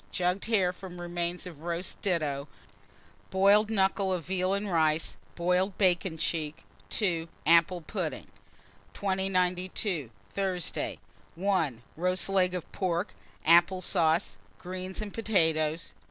Jugged hare, from remains of roast ditto; boiled knuckle of veal and rice; boiled bacon cheek. 2. Apple pudding. 2092. Thursday. 1. Roast leg of pork, apple sauce, greens, and potatoes.